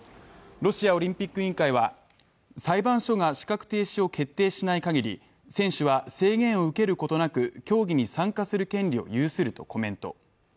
ロシアオリンピック委員会は、裁判所が資格停止を決定しない限り選手は制限を受けることなく競技に参加する権利を有するとコメント。